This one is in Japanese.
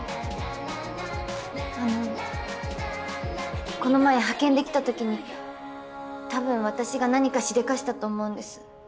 あのこの前派遣で来たときにたぶん私が何かしでかしたと思うんです。